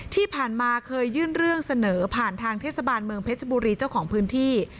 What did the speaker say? ที่ผ่านมาเคยยื่นเรื่องเสนอผ่านทางเทศบาลเมืองเพชรบุรีเจ้าของพื้นที่